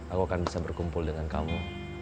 aku akan bisa berkumpul dengan kamu